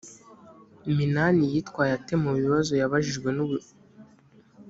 minani yitwaye ate mu bibazo yabajijwe n‘umuyobozi we?